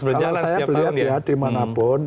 kalau saya melihat ya dimanapun